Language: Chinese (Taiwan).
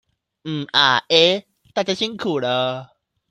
嗯、啊、欸。大家辛苦了